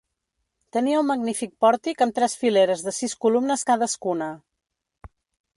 Tenia un magnífic pòrtic amb tres fileres de sis columnes cadascuna.